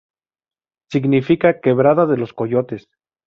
Significa "Quebrada de los Coyotes".